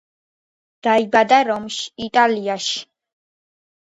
დაიბადა რომში, იტალიაში.